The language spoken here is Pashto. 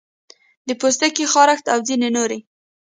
د پوستکي خارښت او ځینې نورې